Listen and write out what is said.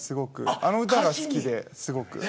あの歌が好きですごく。